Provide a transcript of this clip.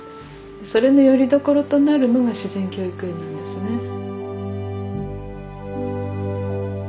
それのよりどころとなるのが自然教育園なんですよね。